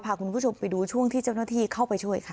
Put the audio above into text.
พาคุณผู้ชมไปดูช่วงที่เจ้าหน้าที่เข้าไปช่วยค่ะ